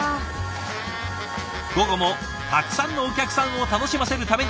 午後もたくさんのお客さんを楽しませるために。